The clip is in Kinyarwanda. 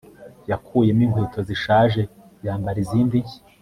yakuyemo inkweto zishaje yambara izindi nshya